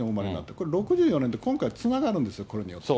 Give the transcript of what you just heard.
これ、６４年って、今回、つながるんですよ、これね。